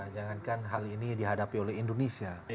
jangankan hal ini dihadapi oleh indonesia